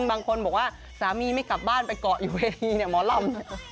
บางคนบอกว่าสามีไม่กลับบ้านไปเกาะอยู่เวทีเนี่ยหมอลำ